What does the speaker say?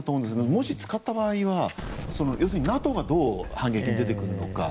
もし使った場合はＮＡＴＯがどう反撃に出てくるか。